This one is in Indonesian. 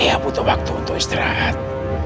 iya butuh waktu untuk istirahat